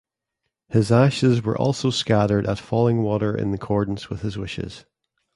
His ashes were also scattered at Fallingwater in accordance with his wishes.